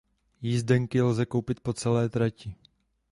Jízdenky lze koupit po celé trati.